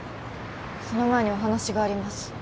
その前にお話があります